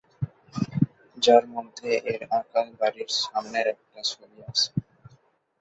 যার মধ্যে এর আঁকা বাড়ির সামনের একটা ছবি আছে।